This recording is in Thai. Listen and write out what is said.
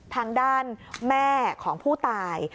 ทางด้านแม่ของผู้ตาย